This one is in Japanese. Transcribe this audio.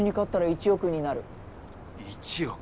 １億。